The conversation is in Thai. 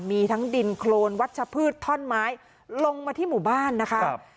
มีทั้งดินโครนวัชพืชท่อนไม้ลงมาที่หมู่บ้านนะคะ